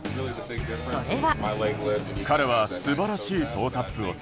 それは。